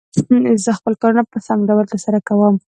زه خپل کارونه په سم ډول تر سره کووم.